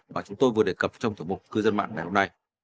mà chúng tôi vừa đề cập trong thủ mục cư dân mạng ngày hôm nay